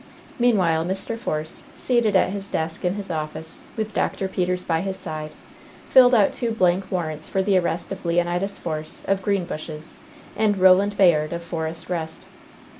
Meanwhile, Mr. Force, seated at his desk in his office, with Dr. Peters by his side, filled out two blank warrants for the arrest of Leonidas Force, of Greenbushes, and Roland Bayard, of Forest Rest.